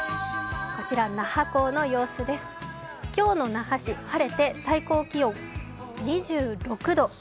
こちら那覇港の様子です、今日の那覇市、晴れて最高気温は２６度。